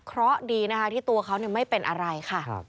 เคราะห์ดีที่ตัวเขาไม่เป็นอะไรค่ะ